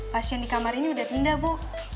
pasien di kamar ini sudah pindah bu